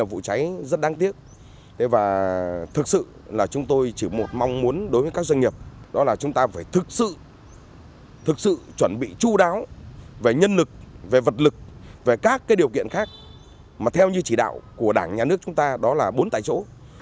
và thực sự là chúng tôi chỉ một mong muốn đối với các doanh nghiệp đó là chúng ta phải thực sự chuẩn bị chú đáo về nhân lực về vật lực về các điều kiện khác mà theo như chỉ đạo của đảng nhà nước chúng ta đó là bốn tại chỗ